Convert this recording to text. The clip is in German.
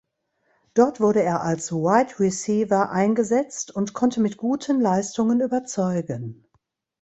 Dort wurde er als Wide Receiver eingesetzt und konnte mit guten Leistungen überzeugen.